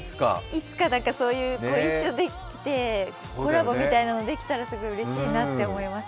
いつかそういうご一緒できてコラボみたいなのができたらすごいうれしいなって思います。